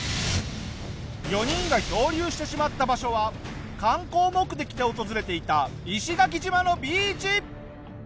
４人が漂流してしまった場所は観光目的で訪れていた石垣島のビーチ。